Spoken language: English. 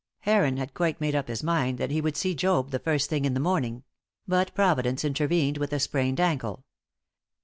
"Heron had quite made up his mind that he would see Job the first thing in the morning; but Providence intervened with a sprained ankle.